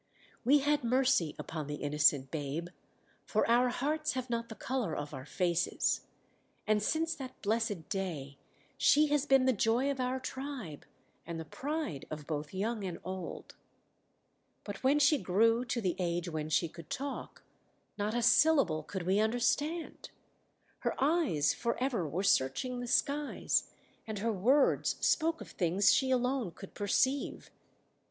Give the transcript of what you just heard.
We had mercy upon the innocent babe, for our hearts have not the colour of our faces; and since that blessed day she has been the joy of our tribe and the pride of both young and old. "But when she grew to the age when she could talk, not a syllable could we understand. Her eyes for ever were searching the skies, and her words spoke of things she alone could perceive.